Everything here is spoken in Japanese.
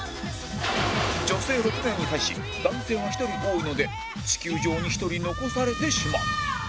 女性６名に対し男性が１人多いので地球上に１人残されてしまう